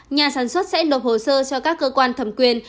nhà sản xuất sẽ nộp hồ sơ cho các cơ quan thẩm quyền